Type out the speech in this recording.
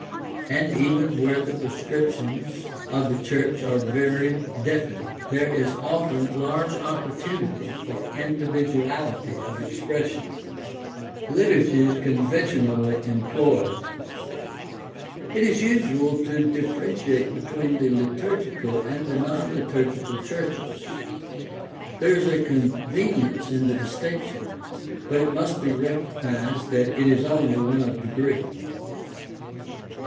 And even where the prescriptions of the church are very definite there is often large opportunity for individuality of expression. PRACTICAL THEOLOGY 619 Liturgies conventionally employed. — It is usual to differ entiate between the liturgical and the non liturgical churches. There is a convenience in the distinction, but it must be recognized that it is only one of degree.